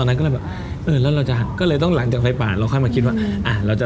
มาติดว่าเราจะหักก็เลยต้องหลังจังไฟป่าแล้วมาคิดว่าเราจะ